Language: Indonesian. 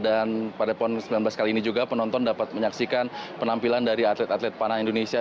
dan pada pon ke sembilan belas kali ini juga penonton dapat menyaksikan penampilan dari atlet atlet panahan indonesia